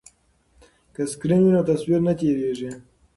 که سکرین وي نو تصویر نه تیریږي.